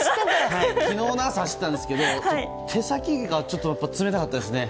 昨日の朝、走ったんですけど手先が冷たかったですね。